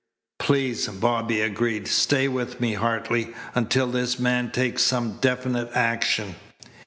"Please," Bobby agreed. "Stay with me, Hartley, until this man takes some definite action."